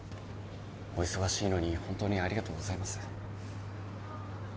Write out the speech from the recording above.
お忙しいのに本当にありがとうございます。